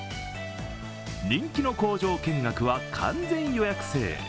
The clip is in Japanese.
人気の工場見学は完全予約制。